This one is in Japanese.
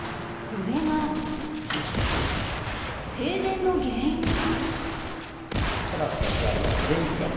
これが停電の原因に。